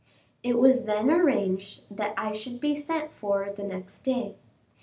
It was then arranged that I should be sent for the next day.